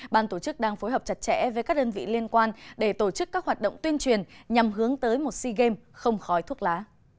ban tổ chức đang phối hợp chặt chẽ với các đơn vị liên quan để tổ chức các hoạt động tuyên truyền nhằm hướng tới một sea games không khói thuốc lá